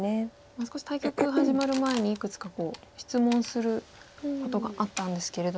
少し対局始まる前にいくつか質問することがあったんですけれども。